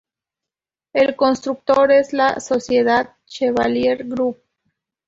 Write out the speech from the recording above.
El constructor es la sociedad Chevalier Group.